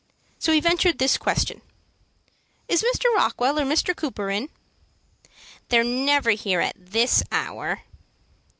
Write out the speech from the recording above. So he ventured this question, "Is Mr. Rockwell or Mr. Cooper in?" "They're never here at this hour."